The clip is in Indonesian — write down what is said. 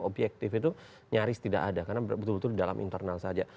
objektif itu nyaris tidak ada karena betul betul di dalam internal saja